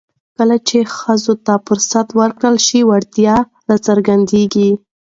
کله چې ښځو ته فرصت ورکړل شي، وړتیاوې راڅرګندېږي.